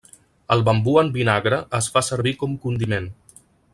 El bambú en vinagre es fa servir com condiment.